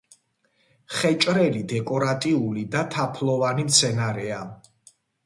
ხეჭრელი დეკორატიული და თაფლოვანი მცენარეა.